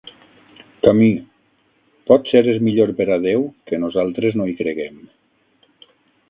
Camus: potser és millor per a Déu que nosaltres no hi creguem.